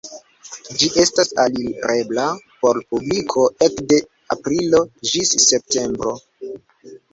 Ĝi estas alirebla por publiko ekde aprilo ĝis septembro.